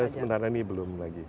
sebenarnya ini belum lagi